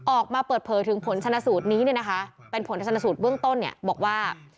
ออกมาเปิดเผลอถึงผลชนะสูตรนี้นะคะเป็นผลชนะสูตรเบื้องต้นบอกว่า